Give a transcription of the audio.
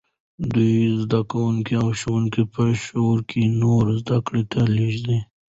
دوی زدکوونکي او ښوونکي په شوروي کې نورو زدکړو ته لېږل.